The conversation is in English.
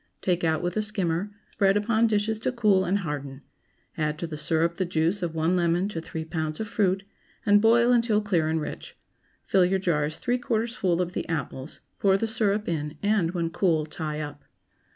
Take out with a skimmer; spread upon dishes to cool and harden; add to the syrup the juice of one lemon to three pounds of fruit, and boil until clear and rich. Fill your jars three quarters full of the apples, pour the syrup in, and, when cool, tie up.